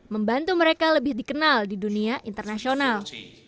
membantu mereka lebih dikenal di dunia internasional